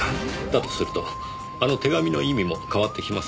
だとするとあの手紙の意味も変わってきますねぇ。